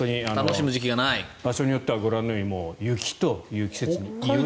場所によってはご覧のように雪という季節に。